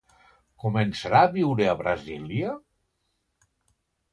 Començarà a viure a Brasília?